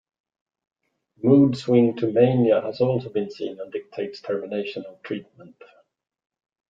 Mood swing to mania has also been seen and dictates termination of treatment.